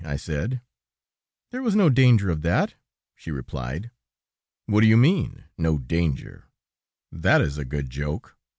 I said. "There was no danger of that," she replied. "What do you mean? ... No danger? That is a good joke!